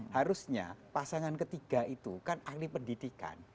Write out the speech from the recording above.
harusnya pasangan ketiga itu kan ahli pendidikan